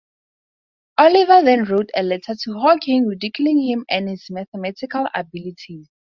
Oliver then wrote a letter to Hawking, ridiculing him and his mathematical abilities.